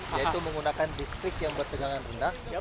yaitu menggunakan distrik yang bertegangan rendah